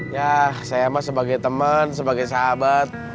yah saya mah sebagai temen sebagai sahabat